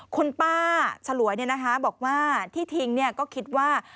คุณป้าฉลวยบอกว่าที่ทิ้งก็คิดว่า